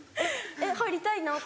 入りたいなって。